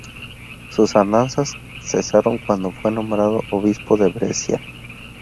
Sus andanzas cesaron cuando fue nombrado obispo de Brescia.